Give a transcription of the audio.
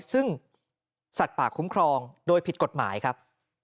ซึ่งสัตว์ป่าคุ้มครองโดยผิดกฎหมายครับ